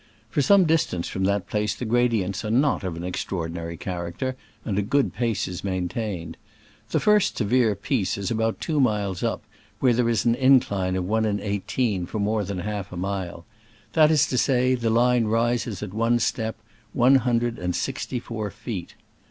For some distance from that place the gradients are not of an extraordinary character, and a good pace is maintained. The first severe piece is about two miles up, where there is an incline of one in eigh teen for more than half a mile ; that is to say, the line rises at one step one hundred and sixty four feet.